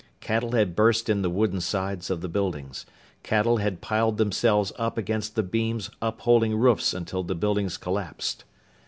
Cattle had burst in the wooden sides of the buildings. Cattle had piled themselves up against the beams upholding roofs until the buildings collapsed.